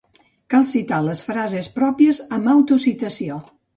Cal citar les frases pròpies amb "autocitació".